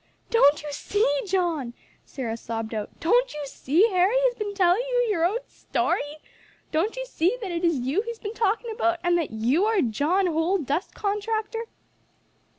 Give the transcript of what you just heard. "Don't you see, John," Sarah sobbed out, "don't you see Harry has been telling you your own story? Don't you see that it is you he has been talking about, and that you are 'John Holl, Dust Contractor'?"